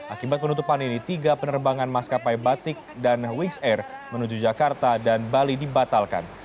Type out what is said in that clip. akibat penutupan ini tiga penerbangan maskapai batik dan wings air menuju jakarta dan bali dibatalkan